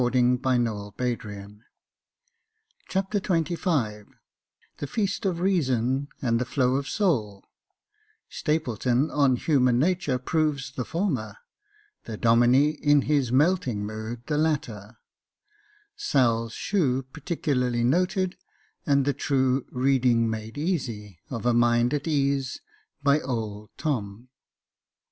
Jacob Faithful 22 j Chapter XXV " The feast of reason and the flow of soul "— Stapleton, on human nature, proves the former ; the Domine, in his melting mood, the latter — Sail's shoe particularly noted, and the true " reading made easy " of a mind at ease, by old Tom.